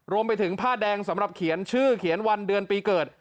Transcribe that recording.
รวมไปถึงผ้าแดงสำหรับเขียนชื่อเขียนวันเดือนปีเกิด